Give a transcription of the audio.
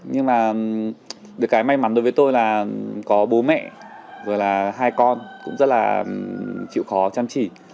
nhưng mà được cái may mắn đối với tôi là có bố mẹ vừa là hai con cũng rất là chịu khó chăm chỉ